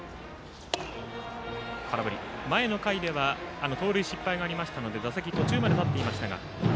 前の回では盗塁失敗がありましたので打席は途中まで立っていました。